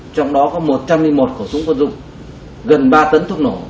trong đó có một trăm linh một khẩu súng quân dụng gần ba tấn thuốc nổ